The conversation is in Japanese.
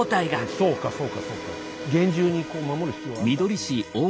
そうかそうかそうか厳重に守る必要があったっていう。